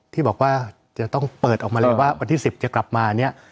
ที่บอกว่าจะต้องเปิดออกมาเลยว่าวันที่๑๐จะกลับมาเนี่ย